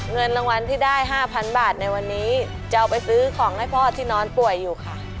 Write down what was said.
เงินรางวัลที่ได้๕๐๐๐บาทในวันนี้จะเอาไปซื้อของให้พ่อที่นอนป่วยอยู่ค่ะ